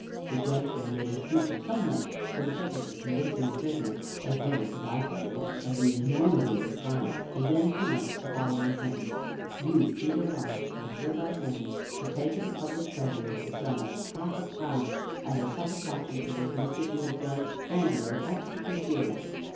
The Judge then made a speech of some length, for the purpose of convincing the prisoner, as well as the bystanders, of the enormity of his crime. He then pronounced the following sentence: "You, Peter Riot, are hereby sentenced to pay to the public treasury the sum of half a crown as a satisfaction for this mischief you have done, and your attempt to conceal it.